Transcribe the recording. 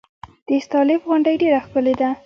د استالف غونډۍ ډیره ښکلې ده